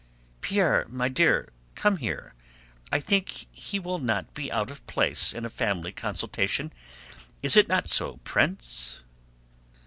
"Pierre, my dear, come here. I think he will not be out of place in a family consultation; is it not so, Prince?"